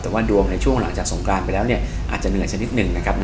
แต่ว่าดวงในช่วงหลังจากสงการไปแล้วเนี่ยอาจจะมีหลักชนิดหนึ่งนะครับ